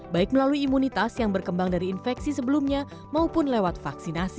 baik melalui imunitas yang berkembang dari infeksi sebelumnya maupun lewat vaksinasi